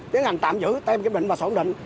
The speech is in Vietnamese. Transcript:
tiến hành tạm giữ tên kết định và sổn định